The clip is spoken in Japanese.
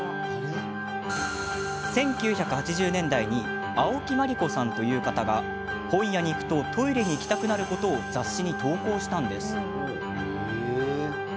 １９８０年代に青木まりこさんという方が本屋に行くとトイレに行きたくなることを雑誌に投稿したんです。